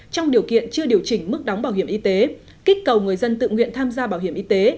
trong điều kiện chưa điều chỉnh mức đóng bảo hiểm y tế kích cầu người dân tự nguyện tham gia bảo hiểm y tế